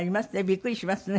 びっくりしますね。